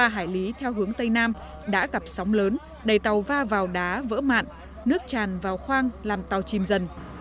ba hải lý theo hướng tây nam đã gặp sóng lớn đẩy tàu va vào đá vỡ mạn nước tràn vào khoang làm tàu chìm dần